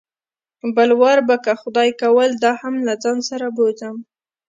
بل وار به که خدای کول دا هم له ځان سره بوځم.